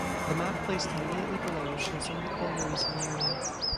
The map placed immediately below shows some of the collieries in the Area.